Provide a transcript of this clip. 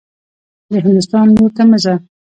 د هندوستان لور ته مه ځه.